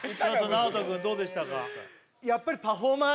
ＮＡＯＴＯくんどうでしたか？